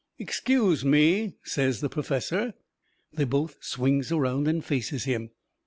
"Excuse me," says the perfessor. They both swings around and faces him.